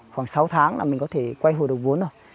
khoảng sáu tháng là mình có thể quay hồi được vốn rồi